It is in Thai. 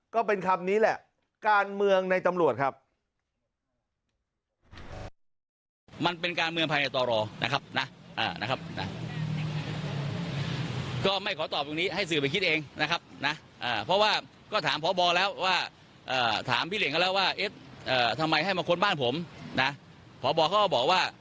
ก็เป็นคำนี้แหละการเมืองในตำรวจครับ